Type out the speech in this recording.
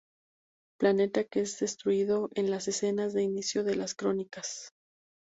Planeta que es destruido en las escenas de inicio de las crónicas.